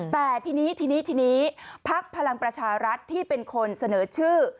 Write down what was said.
แต่ทีนี้ทีนี้พักพลังประชารัฐที่เป็นคนเสนอชื่อ